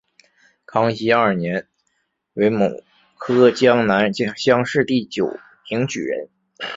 康熙二年癸卯科江南乡试第九名举人。